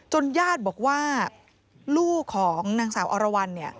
ญาติบอกว่าลูกของนางสาวอรวรรณเนี่ย